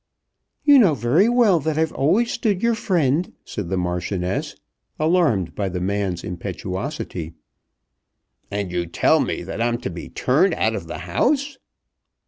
"You know very well that I've always stood your friend," said the Marchioness, alarmed by the man's impetuosity. "And you tell me that I'm to be turned out of the house."